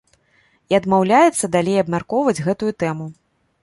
І адмаўляецца далей абмяркоўваць гэтую тэму.